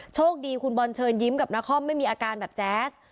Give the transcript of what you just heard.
โชคดีคุณบอลเชิญยิ้มกับนครไม่มีอาการแบบแจ๊ส